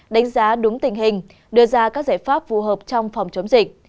đánh giá đúng tình hình đưa ra các giải pháp phù hợp trong phòng chống dịch